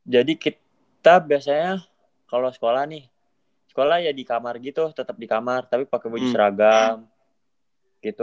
jadi kita biasanya kalo sekolah nih sekolah ya di kamar gitu tetep di kamar tapi pake baju seragam gitu